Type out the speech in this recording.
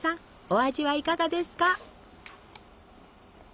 お味はいかがですか？